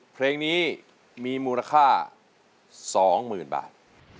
เพลงนี้มีมูลค่า๒๐๐๐บาท